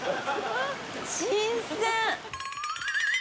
新鮮。